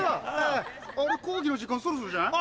あれ講義の時間そろそろじゃない？